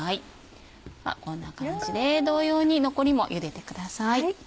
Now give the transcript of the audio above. こんな感じで同様に残りもゆでてください。